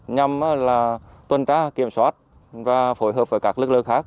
nhằm tuân trá kiểm soát và phối hợp với các lực lượng khác